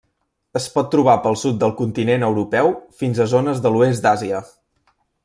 Es pot trobar pel sud del continent europeu fins a zones de l'oest d'Àsia.